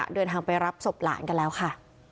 เดินทางไปรับศพหลานกันแล้วค่ะ